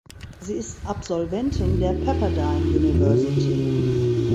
Sie ist Absolventin der Pepperdine University.